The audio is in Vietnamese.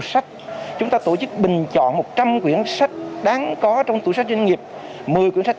sách chúng ta tổ chức bình chọn một trăm linh quyển sách đáng có trong tủ sách doanh nghiệp một mươi quyển sách